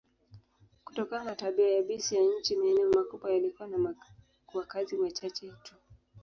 Kutokana na tabia yabisi ya nchi, maeneo makubwa yalikuwa na wakazi wachache tu.